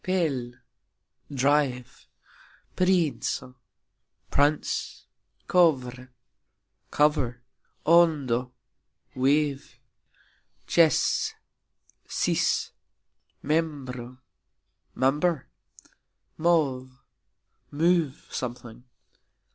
pel : drive. princo : prince. kovr : cover. ondo : wave. cxes : cease. membro : member. mov : move (something).